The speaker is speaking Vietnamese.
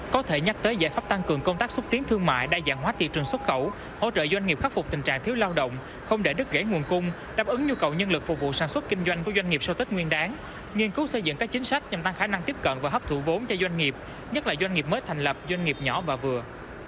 có thể nhắc tới giải pháp tăng cường công tác xúc tiến thương mại đa dạng hóa thị trường xuất khẩu hỗ trợ doanh nghiệp khắc phục tình trạng thiếu lao động không để đứt gãy nguồn cung đáp ứng nhu cầu nhân lực phục vụ sản xuất kinh doanh của doanh nghiệp sau tết nguyên đáng nghiên cứu xây dựng các chính sách nhằm tăng khả năng tiếp cận và hấp thụ vốn cho doanh nghiệp nhất là doanh nghiệp mới thành lập doanh nghiệp nhỏ và vừa